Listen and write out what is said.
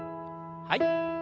はい。